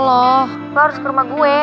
loh lo harus ke rumah gue